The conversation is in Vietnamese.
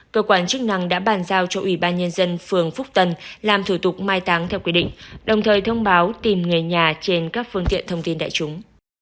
cơ quan chức năng đã bàn giao cho ủy ban nhân dân phường phúc tân làm thủ tục mai táng theo quy định đồng thời thông báo tìm người nhà trên các phương tiện thông tin đại chúng